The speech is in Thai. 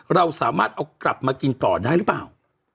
เราสามารถเอากลับมากินต่อได้หรือเปล่า